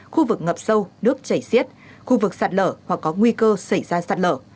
khu vực ngập sâu nước chảy xiết khu vực sạt lở hoặc có nguy cơ xảy ra sạt lở